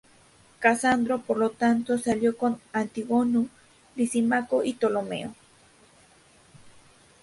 Casandro, por lo tanto, se alió con Antígono, Lisímaco y Ptolomeo.